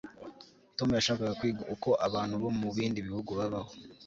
tom yashakaga kwiga uko abantu bo mubindi bihugu babaho